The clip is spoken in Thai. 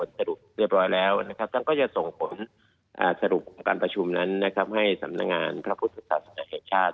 ตั้งก็จะส่งผลสรุปของการประชุมนั้นให้สำนักงานพระพุทธศาสตร์สำนักแห่งชาติ